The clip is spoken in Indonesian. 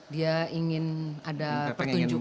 dia ingin ada pertunjukan